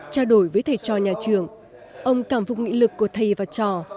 trao đổi với thầy trò nhà trường ông cảm phục nghị lực của thầy và trò